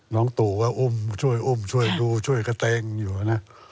น้องตู่ว่าช่วยอุ้มช่วยดูช่วยกระเต้งอยู่นะ